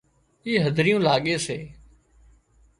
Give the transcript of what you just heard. اِي هڌريون لاڳي سي